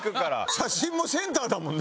写真もセンターだもんね